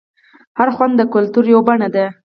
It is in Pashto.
هر خوند د کلتور یوه بڼه ده.